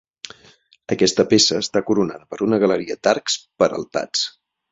Aquesta peça està coronada per una galeria d'arcs peraltats.